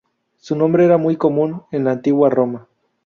Su nombre era muy común en la Antigua Roma.